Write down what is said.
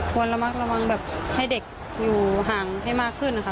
ควรระวังแบบให้เด็กอยู่ห่างให้มากขึ้นค่ะ